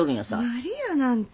無理やなんて。